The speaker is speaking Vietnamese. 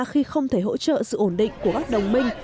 khi không thể hỗ trợ sự ổn định của các đồng minh